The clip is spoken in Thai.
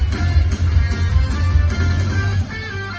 สวัสดีครับ